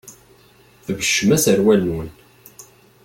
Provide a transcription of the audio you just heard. Tbeccem aserwal-nwen.